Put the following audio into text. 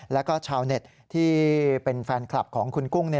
แล้วก็ชาวเน็ตที่เป็นแฟนคลับของคุณกุ้ง